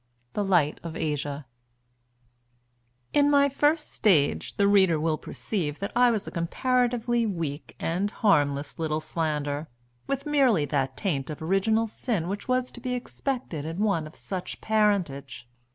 The Light of Asia. In my first stage the reader will perceive that I was a comparatively weak and harmless little slander, with merely that taint of original sin which was to be expected in one of such parentage.